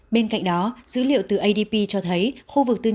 bên cạnh đó dữ liệu từ adp cho thấy khu vực tư